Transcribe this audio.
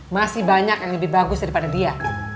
masih banyak yang lebih bagus daripada dia